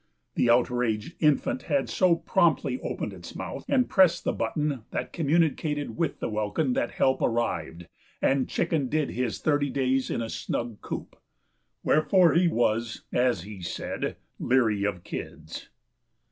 The outraged infant had so promptly opened its mouth and pressed the button that communicated with the welkin that help arrived, and Chicken did his thirty days in a snug coop. Wherefore he was, as he said, "leary of kids."